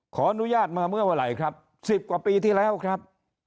ขออนุญาตมาเมื่อไหร่ครับ๑๐กว่าปีที่แล้วครับ